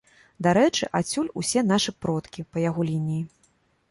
Дарэчы, адсюль усе нашы продкі па яго лініі.